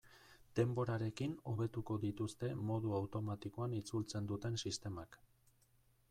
Denborarekin hobetuko dituzte modu automatikoan itzultzen duten sistemak.